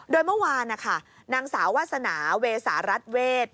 โดยเมื่อวานนะคะนางสาววาสนาเวสารัสเวท